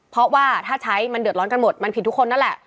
เพราะว่าถ้าใช้มันเดือดร้อนกันหมดมันผิดทุกคนนั่นแหละ